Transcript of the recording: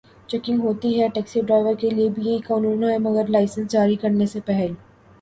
Checking ہوتی ہے۔ Taxi driver کے لیے بھی یہی قانون ہے مگر اسے لائسنس جاری کرنے سے پہل